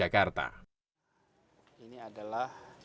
andika surahmanto jakarta